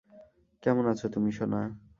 কেমন আছো তুমি, সোনা?